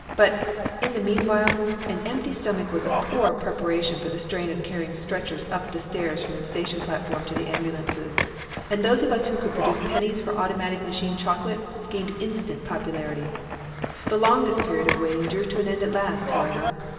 But, in the meanwhile, an empty stomach was a poor preparation for the strain of carrying stretchers up the stairs from the station platform to the ambulances; and those of us who could produce pennies for automatic machine chocolate gained an instant popularity. The longest period of waiting drew to an end at last, however.